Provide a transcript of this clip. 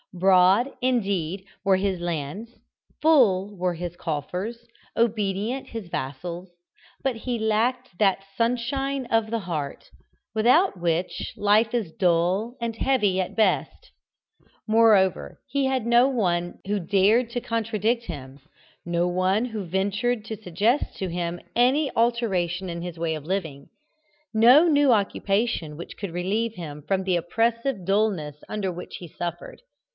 Broad, indeed, were his lands, full were his coffers, obedient his vassals, but he lacked that sunshine of the heart, without which life is dull and heavy at the best. Moreover, he had no one who dared to contradict him, no one who ventured to suggest to him any alteration in his way of living, no new occupation which could relieve him from the oppressive dulness under which he suffered.